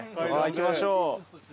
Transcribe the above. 行きましょう。